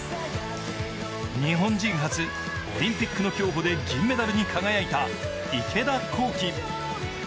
日本人初、オリンピックの競歩で銀メダルに輝いた池田向希。